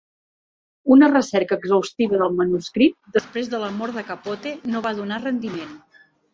Una recerca exhaustiva del manuscrit després de la mort de Capote no va donar rendiment.